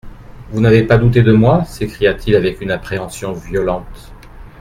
—Vous n’avez pas douté de moi ?» s’écria-t-il avec une appréhension violente.